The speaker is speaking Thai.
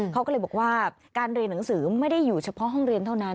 เขาก็เลยบอกว่าการเรียนหนังสือไม่ได้อยู่เฉพาะห้องเรียนเท่านั้น